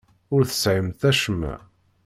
Ur tesɛimt acemma.